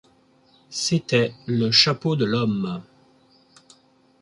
C’était le chapeau de l’homme.